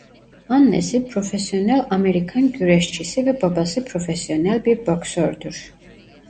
Annesi profesyonel Amerikan Güreşçisi ve babası profesyonel bir boksördür.